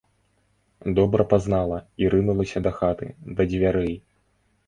Добра пазнала і рынулася да хаты, да дзвярэй.